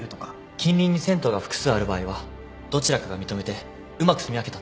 近隣に銭湯が複数ある場合はどちらかが認めてうまくすみ分けたっていい。